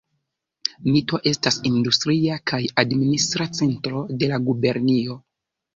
Mito estas industria kaj administra centro de la gubernio.